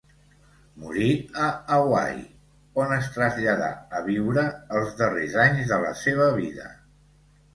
Morí a Hawaii, on es traslladà a viure els darrers anys de la seva vida.